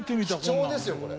貴重ですよこれ。